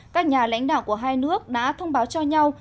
các nhà lãnh đạo của hai nước đã thông báo cho nhau